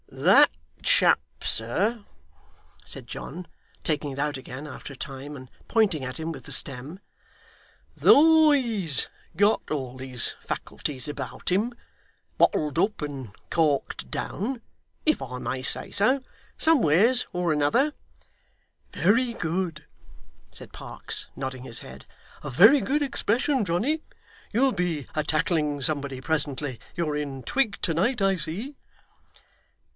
'That chap, sir,' said John, taking it out again after a time, and pointing at him with the stem, 'though he's got all his faculties about him bottled up and corked down, if I may say so, somewheres or another ' 'Very good!' said Parkes, nodding his head. 'A very good expression, Johnny. You'll be a tackling somebody presently. You're in twig to night, I see.